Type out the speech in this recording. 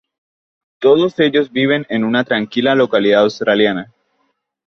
Todos ellos viven en una tranquila localidad australiana.